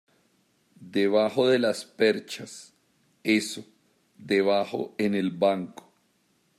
debajo de las perchas. eso, debajo en el banco .